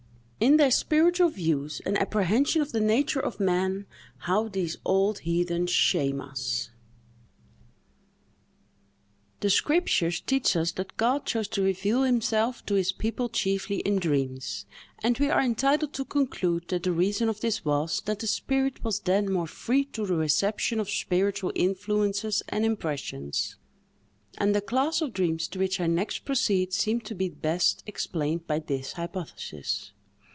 In their spiritual views and apprehension of the nature of man, how these old heathens shame us! The Scriptures teach us that God chose to reveal himself to his people chiefly in dreams, and we are entitled to conclude that the reason of this was, that the spirit was then more free to the reception of spiritual influences and impressions; and the class of dreams to which I next proceed seem to be best explained by this hypothesis.